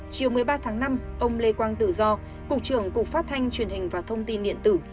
chiều một mươi ba tháng năm ông lê quang tự do cục trưởng cục phát thanh truyền hình và thông tin điện tử